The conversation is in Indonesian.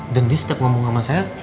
dan dia setep ngomong sama saya